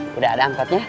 tuh udah ada angkatnya